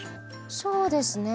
そうですね